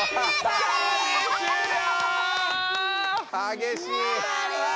激しい！